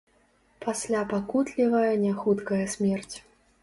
Пасля пакутлівая няхуткая смерць.